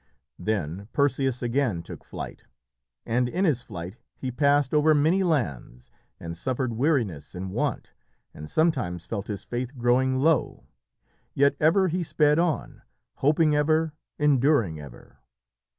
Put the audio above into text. Then Perseus again took flight, and in his flight he passed over many lands and suffered weariness and want, and sometimes felt his faith growing low. Yet ever he sped on, hoping ever, enduring ever.